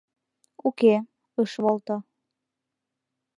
Уке, ыш волто.